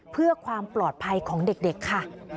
เพื่อความปลอดภัยของเด็กค่ะ